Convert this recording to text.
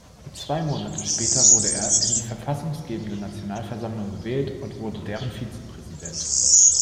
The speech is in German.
Zwei Monate später wurde er in die verfassungsgebende Nationalversammlung gewählt und wurde deren Vizepräsident.